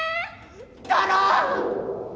だろ？